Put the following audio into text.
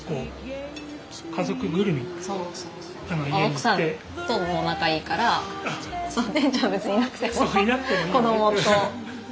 奥さんとも仲いいから店長別にいなくても子どもと４人で。